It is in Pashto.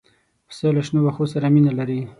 پسه له شنو واښو سره مینه لري.